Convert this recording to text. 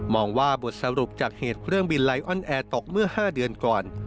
ว่าบทสรุปจากเหตุเครื่องบินไลออนแอร์ตกเมื่อ๕เดือนก่อน